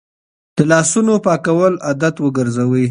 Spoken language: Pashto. د لاسونو پاکول عادت وګرځوئ.